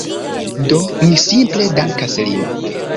Do mi simple dankas lin